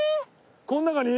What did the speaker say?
この中に？